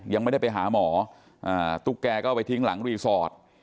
ยังไม่ได้ไปหาหมอตุ๊กแกก็เอาไปทิ้งหลังรีสอร์ท